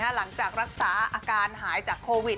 หลังจากรักษาอาการหายจากโควิด